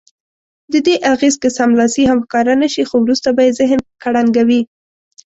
ددې اغېز که سملاسي هم ښکاره نه شي خو وروسته به یې ذهن کړنګوي.